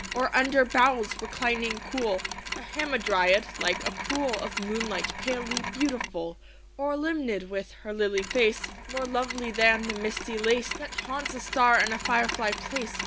Or under boughs, reclining cool, A Hamadryad, like a pool Of moonlight, palely beautiful? Or Limnad, with her lilied face, More lovely than the misty lace That haunts a star in a firefly place?